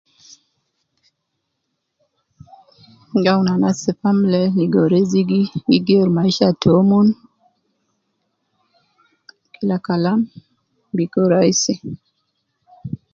Gi awun anas te family ligo rizigi, gi geeru maisha te umon, kila Kalam bi kun raisi.